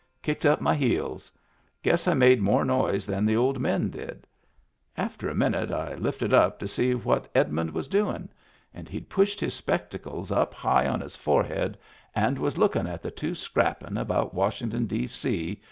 Kicked up my heels. Guess I made more noise than the old men did. After a minute I lifted up to see what Edmund was doin', and he'd pushed his spectacles up high Digitized by Google 242 MEMBERS OF THE FAMILY on his forehead and was lookin* at the two scrappin' about Washington, D.C.